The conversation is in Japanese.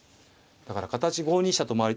だから形５二飛車と回り。